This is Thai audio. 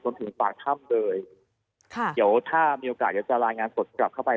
ถึงปากถ้ำเลยค่ะเดี๋ยวถ้ามีโอกาสเดี๋ยวจะรายงานสดกลับเข้าไป